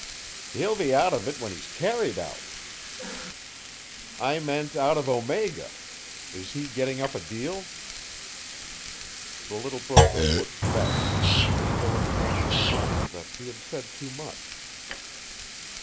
"He'll be out of it when he's carried out." "I meant out of Omega. Is he getting up a deal?" The little broker looked vexed, as though it crossed his mind that he had said too much.